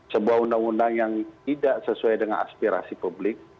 sebuah undang undang yang tidak sesuai dengan aspirasi publik